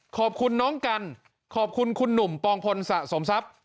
ขอบคุณน้องกันขอบคุณคุณหนุ่มปองพลสะสมทรัพย์